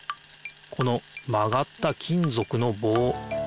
このまがった金ぞくのぼう。